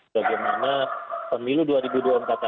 bagaimana pemilu dua ribu dua puluh empat akan pergi